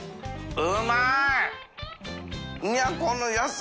△うまい。